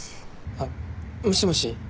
あっもしもし。